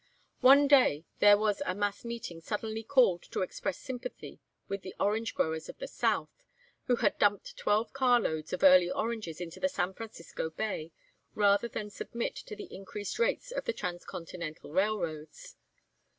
One day there was a mass meeting suddenly called to express sympathy with the orange growers of the South, who had dumped twelve carloads of early oranges into the San Francisco Bay rather than submit to the increased rates of the transcontinental railroads.